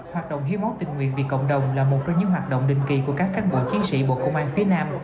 hoạt động hiến máu tình nguyện vì cộng đồng là một trong những hoạt động định kỳ của các cán bộ chiến sĩ bộ công an phía nam